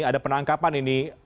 ada penangkapan ini